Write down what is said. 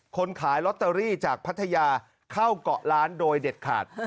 คนขายลอตเตอรี่จากพัทยาเข้าเกาะล้านโดยเด็ดขาด